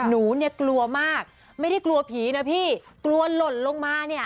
หนูเนี่ยกลัวมากไม่ได้กลัวผีนะพี่กลัวหล่นลงมาเนี่ย